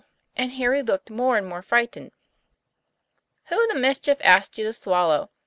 And Harry looked more and more frightened. " Who the mischief asked you to swallow ?